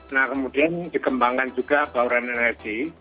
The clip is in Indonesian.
nah kemudian dikembangkan juga bauran energi